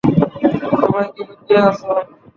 সবাই কি লুকিয়ে আছো?